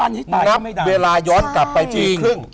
นับเวลาย้อนกลับไปจริง